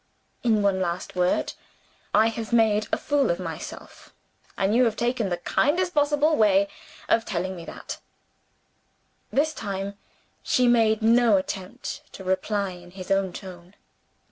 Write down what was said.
"In one last word, I have made a fool of myself and you have taken the kindest possible way of telling me so." This time, she made no attempt to reply in his own tone.